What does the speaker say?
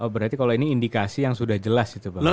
berarti kalau ini indikasi yang sudah jelas itu bang